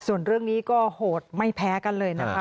ส่วนเรื่องนี้ก็โหดไม่แพ้กันเลยนะคะ